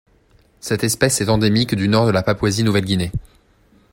Cette espèce est endémique du Nord de la Papouasie-Nouvelle-Guinée.